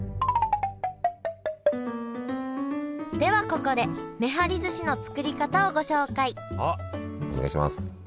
ではここでめはりずしの作り方をご紹介あっお願いします。